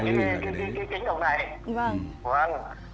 cái kính đầu này